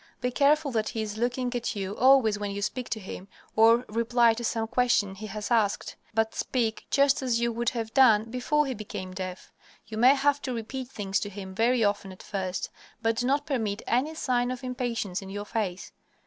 Be careful that he is looking at you always when you speak to him or reply to some question he has asked, but speak just as you would have done before he became deaf. You may have to repeat things to him very often at first, but do not permit any sign of impatience in your face.